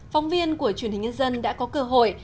phóng viên của truyền hình nhân dân đã có cơ hội